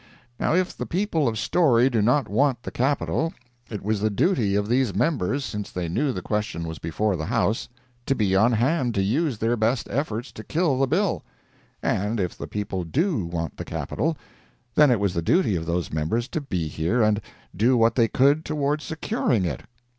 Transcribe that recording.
Now if the people of Storey do not want the Capital, it was the duty of these members, since they knew the question was before the House, to be on hand to use their best efforts to kill the bill—and if the people do want the Capital, then it was the duty of those members to be here and do what they could toward securing it.